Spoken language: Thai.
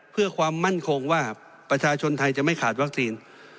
เพื่อความมั่นคงว่าประชาชนไทยจะไม่ขาดวัคซีน